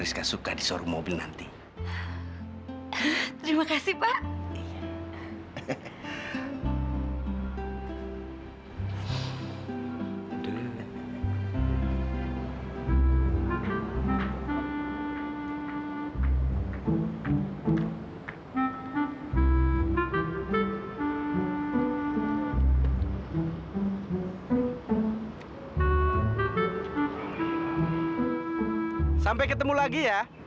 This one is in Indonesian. sampai ketemu lagi ya